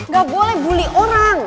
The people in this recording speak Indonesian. gak boleh bully orang